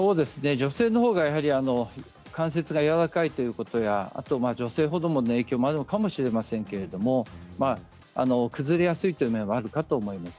女性のほうが関節がやわらかいということや女性ホルモンの影響があるのかもしれませんけれど崩れやすいという面はあるかと思います。